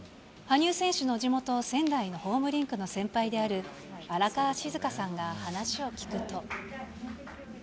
羽生選手の地元、仙台のホームリンクの先輩である荒川静香さんが話を聞くと。